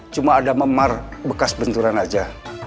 cuma ada memar bekas benturan aja